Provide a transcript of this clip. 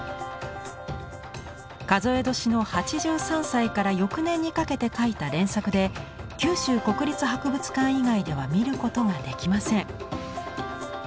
数え年の８３歳から翌年にかけて描いた連作で九州国立博物館以外では見ることができません。